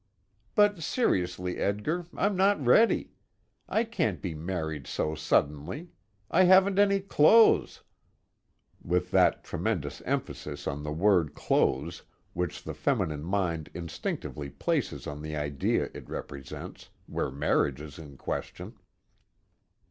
"But seriously, Edgar, I'm not ready. I can't be married so suddenly. I haven't any clothes," with that tremendous emphasis on the word clothes which the feminine mind instinctively places on the idea it represents, where marriage is in question.